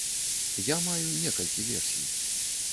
Я маю некалькі версій.